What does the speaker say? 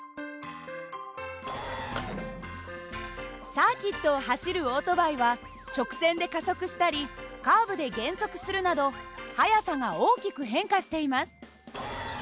サーキットを走るオートバイは直線で加速したりカーブで減速するなど速さが大きく変化しています。